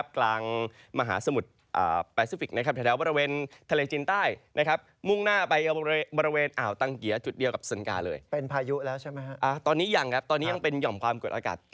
กลางมหาสมุทรแปซิฟิกส์